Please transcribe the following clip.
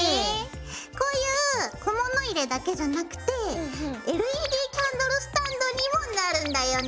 こういう小物入れだけじゃなくてＬＥＤキャンドルスタンドにもなるんだよね。